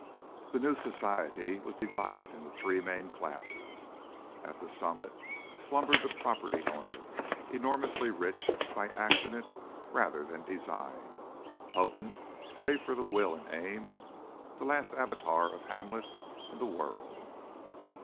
The new society was divided into three main classes. At the summit slumbered the property owner, enormously rich by accident rather than design, potent save for the will and aim, the last avatar of Hamlet in the world.